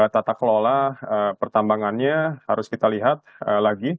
tata kelola pertambangannya harus kita lihat lagi